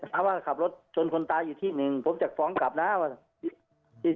ถ้าว่าขับรถชนคนตายอยู่ที่หนึ่งผมจะฟ้องกลับนะว่า